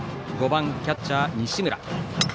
５番キャッチャー、西村。